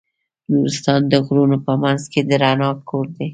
نورستان د غرونو په منځ کې د رڼا کور دی.